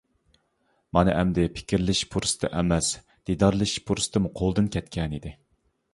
مانا ئەمدى پىكىرلىشىش پۇرسىتى ئەمەس، دىدارلىشىش پۇرسىتىمۇ قولىدىن كەتكەنىدى.